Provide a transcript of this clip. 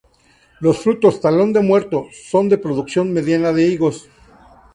Los frutos 'Talón de Muerto' son de producción mediana de higos.